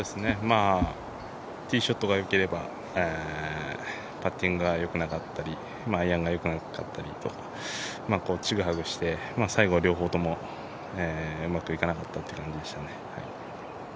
ティーショットがよければパッティングがよくなかったりアイアンがよくなかったりとちぐはぐして最後は両方とも、うまくいかなかったという感じでしたね。